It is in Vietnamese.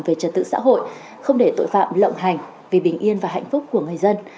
về trật tự xã hội không để tội phạm lộng hành vì bình yên và hạnh phúc của người dân